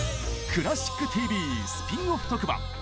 「クラシックＴＶ」スピンオフ特番！